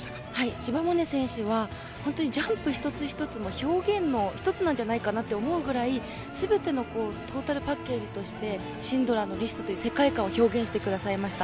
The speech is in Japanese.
千葉百音選手は本当にジャンプ一つ一つも表現の一つなんじゃないかと思うぐらい全てのトータルパッケージとしてシンドラーのリストという世界観を表現してくれました。